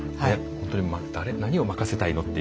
本当に「何を任せたいの？」っていう